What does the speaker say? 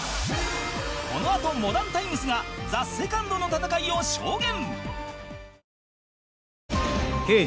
このあとモダンタイムスが ＴＨＥＳＥＣＯＮＤ の戦いを証言